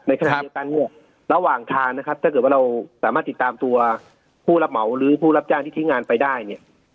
ขณะเดียวกันเนี่ยระหว่างทางนะครับถ้าเกิดว่าเราสามารถติดตามตัวผู้รับเหมาหรือผู้รับจ้างที่ทิ้งงานไปได้เนี่ย